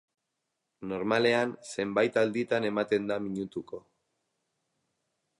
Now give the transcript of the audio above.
Normalean zenbait alditan ematen da minutuko.